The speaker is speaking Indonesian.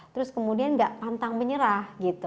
terus kemudian gak pantang menyerah gitu